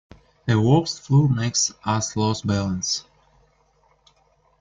A waxed floor makes us lose balance.